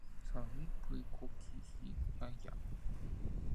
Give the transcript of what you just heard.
Sahmees quih coocj ihi, hayocaaaj.